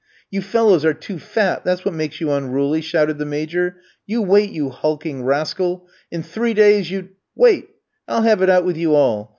"You fellows are too fat, that's what makes you unruly!" shouted the Major. "You wait, you hulking rascal, in three days you'd Wait! I'll have it out with you all.